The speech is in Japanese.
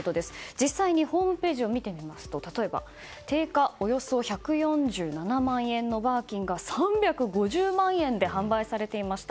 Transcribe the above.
実際にホームページを見てみますと例えば、定価およそ１４７万円のバーキンが３５０万円で販売されていました。